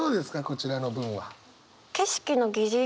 こちらの文は。